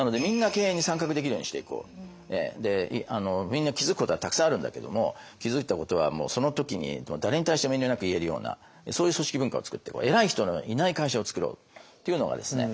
みんな気付くことはたくさんあるんだけども気付いたことはもうその時に誰に対しても遠慮なく言えるようなそういう組織文化をつくっていこう偉い人のいない会社をつくろう。っていうのがですね